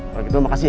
oleh gitu makasih ya